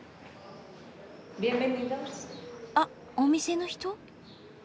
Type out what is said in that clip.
あっお店の人？